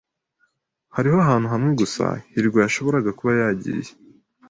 Hariho ahantu hamwe gusa hirwa yashoboraga kuba yagiye.